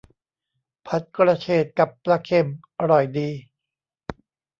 ผัดกระเฉดกับปลาเค็ม อร่อยดี